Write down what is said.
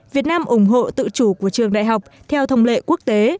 việt nam ủng hộ tự chủ của trường đại học theo thông lệ quốc tế